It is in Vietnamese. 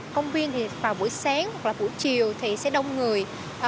công viên thì vào buổi sáng hoặc là buổi chiều thì sẽ đông người